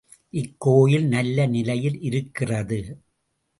இக்கோயில் நல்ல நிலையில் இருக்கிறது.